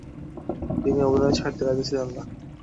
তিনি অভিনয় ছাড়তে রাজী ছিলেন না।